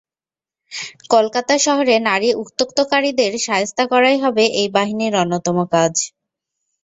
কলকাতা শহরে নারী উত্ত্যক্তকারীদের শায়েস্তা করাই হবে এই বাহিনীর অন্যতম কাজ।